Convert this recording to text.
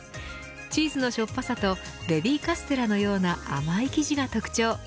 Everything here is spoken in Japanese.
チーズのしょっぱさとベビーカステラのような甘い生地が特徴。